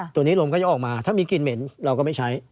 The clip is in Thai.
ตัวนี้ลมก็จะออกมาถ้ามีกลิ่นเหม็นเราก็ไม่ใช้